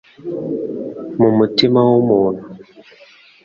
mu mutima w umuntu